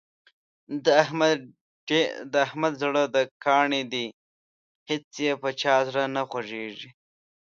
د احمد زړه د کاڼي دی هېڅ یې په چا زړه نه خوږېږي.